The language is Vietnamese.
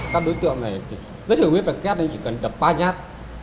các đối tượng này rất hiệu quý phải kép nên chỉ cần đập ba nhát